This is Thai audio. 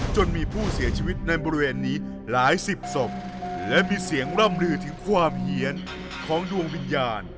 จนมีผู้เสียชีวิตในบริเวณนี้หลายสิบศพและมีเสียงร่ำลือถึงความเหี้ยนของดวงวิญญาณ